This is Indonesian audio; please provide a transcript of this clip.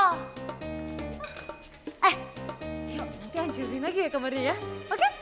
eh yuk nanti ancurin lagi ya kamarnya ya oke